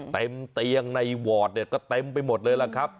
เต็มเตียงในวอร์ดเนี่ยก็เต็มไปหมดเลยล่ะครับ